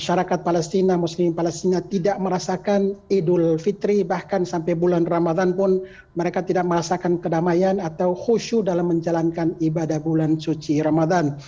masyarakat palestina muslim palestina tidak merasakan idul fitri bahkan sampai bulan ramadan pun mereka tidak merasakan kedamaian atau khusyu dalam menjalankan ibadah bulan suci ramadan